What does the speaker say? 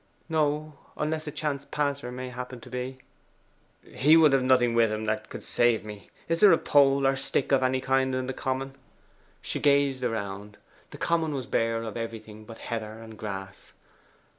'No; unless a chance passer may happen to be.' 'He would have nothing with him that could save me. Is there a pole or stick of any kind on the common?' She gazed around. The common was bare of everything but heather and grass.